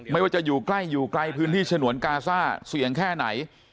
ไม่ว่าจะอยู่ใกล้อยู่ไกลพื้นที่ฉนวนกาซ่าเสี่ยงแค่ไหน